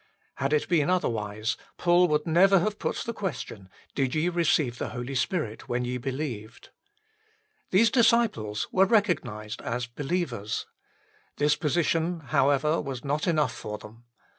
Had it been otherwise, Paul would never have put the question :" Did ye receive the Holy Spirit when ye believed ?" These disciples were recognised as believers. This position, however, was not enough for them.